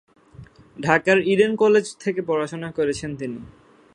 ঢাকার Eden college থেকে পড়াশোনা করেছেন তিনি।